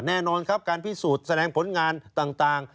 แน่นอนครับการพิสูจน์แสดงผลงานต่าง